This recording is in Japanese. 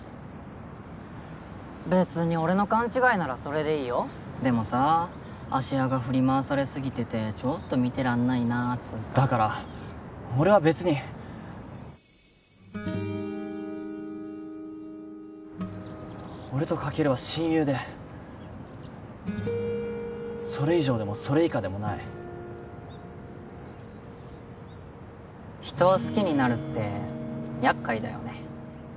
別に俺の勘違いならそれでいいよでもさ芦屋が振り回されすぎててちょっと見てらんないなっつうかだから俺は別に俺とカケルは親友でそれ以上でもそれ以下でもない人を好きになるってやっかいだよね